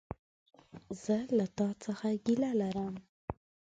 زه له تا څخه ګيله لرم!